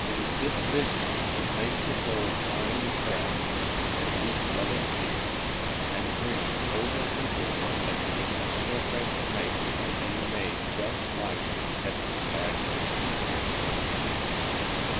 It is this vision wdiich makes the soul pine and pray, and weep loving tears, and dream over and over of the ineffable trans formation of being made just like its heavenly Bride groom.